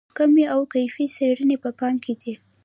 کمي او کیفي څېړنې په پام کې دي.